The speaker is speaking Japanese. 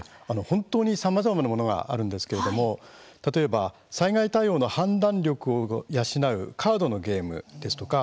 本当にさまざまなものがあるんですけれども例えば災害対応の判断力を養うカードのゲームですとか